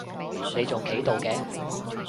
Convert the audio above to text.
你仲企到嘅？